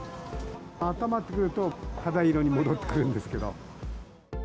あったまってくると、肌色に戻ってくるんですけど。